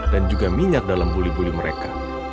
dan juga minyak dalam buli buli mereka